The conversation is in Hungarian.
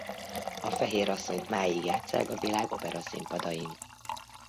A fehér asszonyt máig játsszák a világ operaszínpadain.